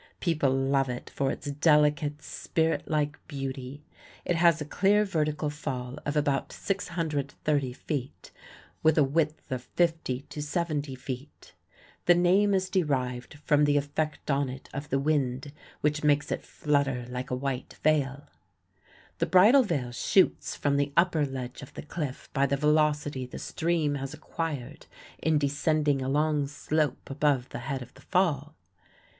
People love it for its delicate, spirit like beauty. It has a clear vertical fall of about 630 feet, with a width of 50 to 70 feet. The name is derived from the effect on it of the wind, which makes it flutter like a white veil. The Bridal Veil shoots from the upper ledge of the cliff by the velocity the stream has acquired in descending a long slope above the head of the fall.